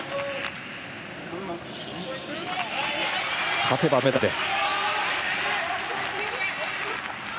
勝てば銅メダルです。